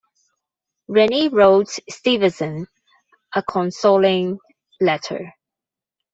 Rennie wrote Stevenson a consoling letter.